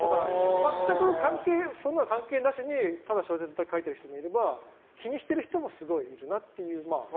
全くそんなの関係なしにただ小説だけ書いてる人もいれば気にしている人もすごいいるなと。